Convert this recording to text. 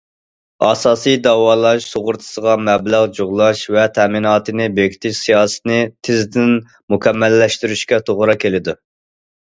ئاساسىي داۋالاش سۇغۇرتىسىغا مەبلەغ جۇغلاش ۋە تەمىناتىنى بېكىتىش سىياسىتىنى تېزدىن مۇكەممەللەشتۈرۈشكە توغرا كېلىدۇ.